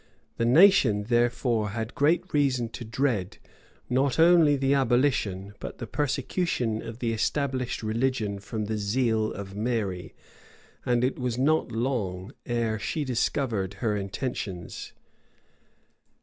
The nation, therefore, had great reason to dread, not only the abolition, but the persecution of the established religion from the zeal of Mary; and it was not long ere she discovered her intentions.